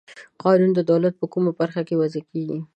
قانون د دولت په کومه برخه کې وضع کیږي؟